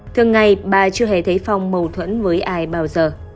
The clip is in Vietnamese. thường ngày bà chưa hề thấy phong mâu thuẫn với ai bao giờ